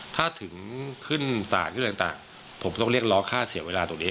ถ้าถึงขึ้นสารที่ต่างผมต้องเรียกล้อค่าเสียเวลาตรงนี้